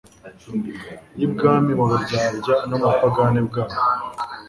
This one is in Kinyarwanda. by’ibwami, mu buryarya, no mu bupagani bwaho.